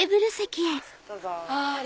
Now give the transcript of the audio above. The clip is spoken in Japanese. どうぞ。